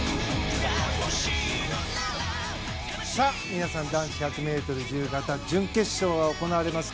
皆さん、男子２００ｍ自由形が行われます。